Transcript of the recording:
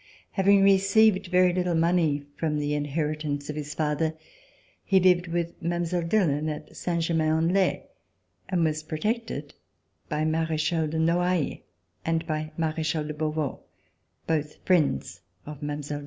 Having received very little money from the inheritance of his father, he lived with Mile. Dillon at Saint Germain en Laye and was protected by Marechal de Noailles and by Marechal de Beauvau, both friends of Mile.